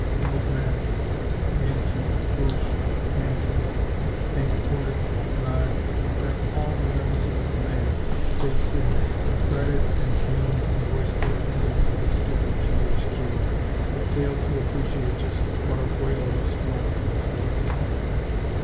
It was maddening! Yancey, Fouche, Hampden, Hank Porter, Rodd in fact all members of the command, save Siddons, fretted and fumed and voiced their opinions of a stupid G.H.Q., that failed to appreciate just what a whale of a squadron this was.